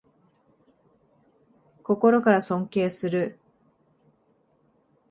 心から尊敬する